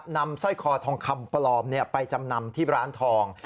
สร้อยคอทองคำปลอมไปจำนำที่ร้านทอง